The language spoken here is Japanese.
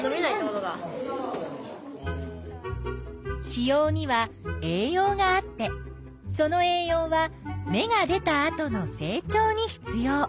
子葉には栄養があってその栄養は芽が出たあとの成長に必要。